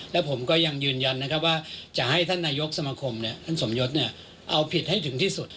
และผมก็ยังยืนยันนะครับว่าจะให้ท่านนายกสมคมท่านสมยศเอาผิดให้ถึงที่สุด